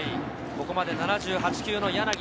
ここまで７８球の柳。